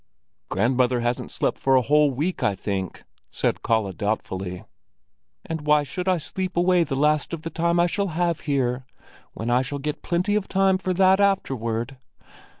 "Grandmother hasn't slept for a whole week, I think," said Kalle doubtfully. "And why should I sleep away the last of the time I shall have here, when I shall get plenty of time for that afterward?